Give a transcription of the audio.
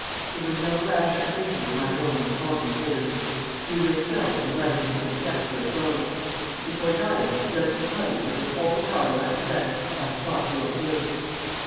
It was no rash ambition of my own that called me hither; you, you yourselves, invited me to accept your throne. Before dying, let me tell you that with all the powers I possess I sought your good.